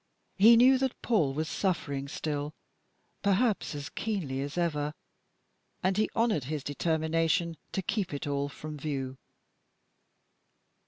He knew that Paul was suffering still, perhaps as keenly as ever, and he honoured his determination to keep it all from view.